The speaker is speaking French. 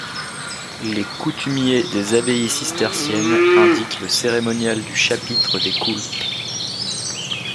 Les coutumiers des abbayes cisterciennes indiquent le cérémonial du chapitre des coulpes.